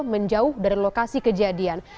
menjauh dari lokasi kejadian